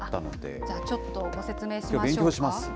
じゃあ、ちょっとご説明しましょうか。